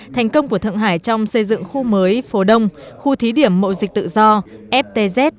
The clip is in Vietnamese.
thành công của thượng hải trong xây dựng khu mới phố đông khu thí điểm mộ dịch tự do ftz